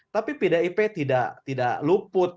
tapi pdip tidak luput